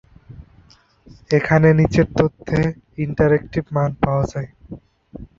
এখানে নিচের তথ্যে ইন্টারেক্টিভ মান পাওয়া যাবে।